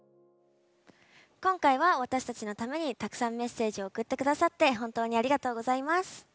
今回は私たちのためにたくさんメッセージを送って下さって本当にありがとうございます。